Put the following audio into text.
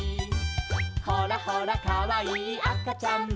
「ほらほらかわいいあかちゃんも」